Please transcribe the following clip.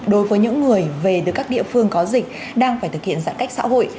đối với những người về từ các địa phương có dịch đang phải thực hiện giãn cách xã hội